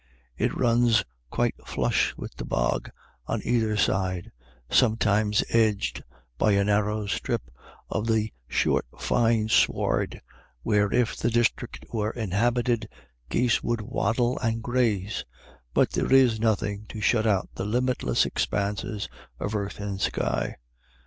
It runs quite flush with the bog on either side, sometimes edged by a narrow strip of the short fine sward, where, if the district were inhabited, geese would waddle and graze ; but there is nothing to shut out the limitless expanses of earth and sky.